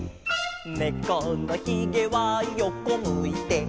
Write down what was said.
「ねこのひげは横むいて」